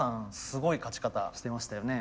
すごい勝ち方してましたよね。